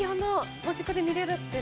間近で見れるってね。